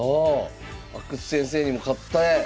阿久津先生にも勝って。